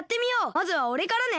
まずはおれからね。